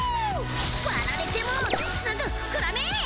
割られてもすぐ膨らめぇええ！